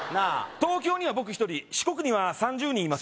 東京には僕一人四国には３０人います